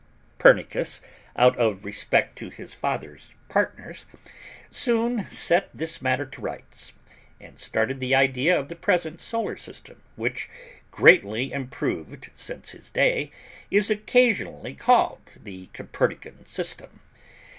Pernicus, out of respect to his father's partners) soon set this matter to rights, and started the idea of the present Solar System, which, greatly improved since his day, is occasionally called the Copernican system.